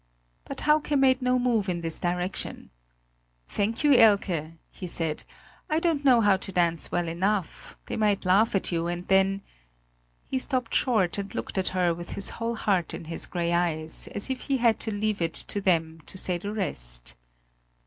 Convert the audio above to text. But Hauke made no move in this direction: "Thank you, Elke," he said; "I don't know how to dance well enough; they might laugh at you; and then " he stopped short and looked at her with his whole heart in his grey eyes, as if he had to leave it to them to say the rest.